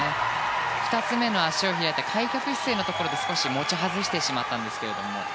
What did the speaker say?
２つ目の足をひねって開脚姿勢のところで持ち外してしまったんですけど。